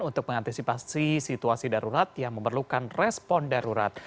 untuk mengantisipasi situasi darurat yang memerlukan respon darurat